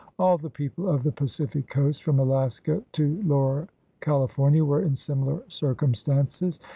All the people of the Pacific coast from Alaska to Lower California were in similar circumstances.